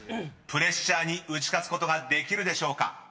［プレッシャーに打ち勝つことができるでしょうか？］